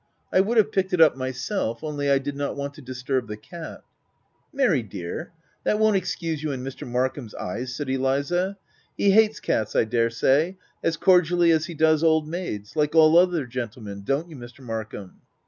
tc I would have picked it up myself; only I did not want to disturb the cat," u Mary, dear, that won't excuse you in Mr. Markham's eyes," said Eliza ; t€ he hates cats, I dare say, as cordially as he does old maids — like all other gentlemen— Don't you Mr. Mark ham